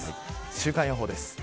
週間予報です。